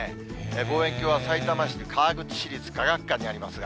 望遠鏡はさいたま市川口市立科学館にありますが。